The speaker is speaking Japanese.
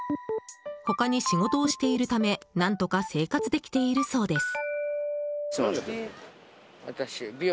他に仕事をしているため何とか生活できているそうです。